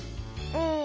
うん。